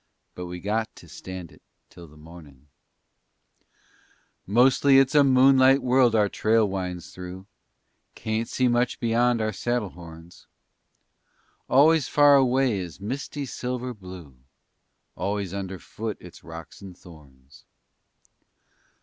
_ But we got to stand it till the mornin'. Mostly it's a moonlight world our trail winds through. Kaint see much beyond our saddle horns. Always far away is misty silver blue; Always underfoot it's rocks and thorns.